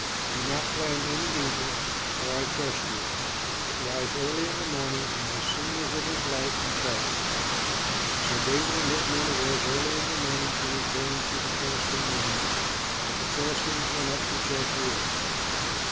Do not plan any evil, for I trust you, but rise early in the morning and, as soon as it is light, depart." So David and his men arose early in the morning to return to the Philistine land, but the Philistines went up to Jezreel.